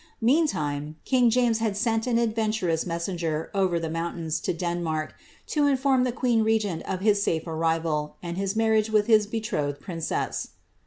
Meantime, king James sent an adventurous messenger, over the mountains, to Denmark, to inform the queen regent of his safe arrival, and his marriage with his betrothed princess.